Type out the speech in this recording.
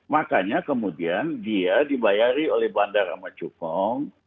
makanya kemudian dia dibayari oleh bandara macukong